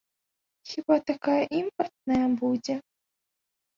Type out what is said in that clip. Хіба такая імпартная будзе?